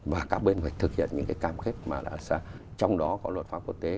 và các bên phải thực hiện những cái cam khép mà là trong đó có luật pháp quốc tế